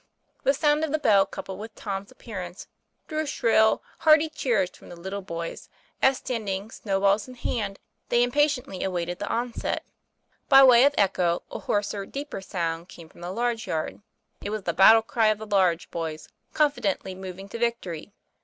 TOM PLA YFAIR. 185 The sound of the bell, coupled with Tom's ap pearance, drew shrill, hearty cheers from the little boys, as standing, snowballs in hand, they impa tiently awaited the onset. By way of echo, a hoarser, deeper sound came from the large yard; it was the battle cry of the large boys, confidently moving to victory.